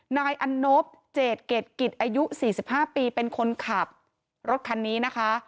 นายอันนบเจดเกรดกิจอายุ๔๕ปีเป็นคนขับรถคันนี้นะคะ